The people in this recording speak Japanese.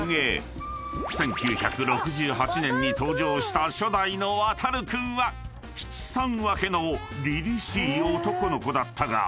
［１９６８年に登場した初代のわたるくんは七三分けのりりしい男の子だったが］